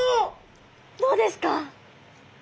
どうですか？